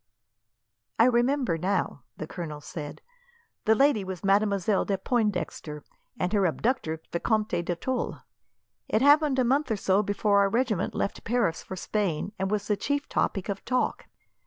"I remember now," the colonel said. "The lady was Mademoiselle de Pointdexter, and her abductor Vicomte de Tulle. It happened a month or so before our regiment left Paris for Spain, and was the chief topic of talk.